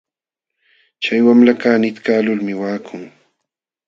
Chay wamlakaq nitkaqlulmi waqakun.